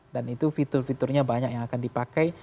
dan itu fitur fiturnya banyak yang akan dipakai